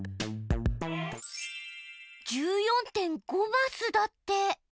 １４．５マスだって。